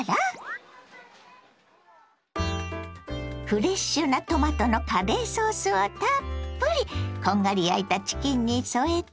フレッシュなトマトのカレーソースをたっぷりこんがり焼いたチキンに添えて。